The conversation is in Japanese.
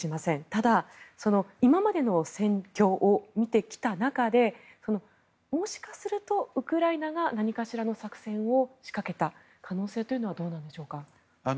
ただ、今までの戦況を見てきた中でもしかすると、ウクライナが何かしらの作戦を仕掛けた可能性というのはどうなんでしょうか。